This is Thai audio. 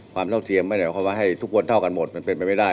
ความเท่าเทียมไม่ได้ว่าให้ทุกคนเท่ากันหมดมันเป็นไปไม่ได้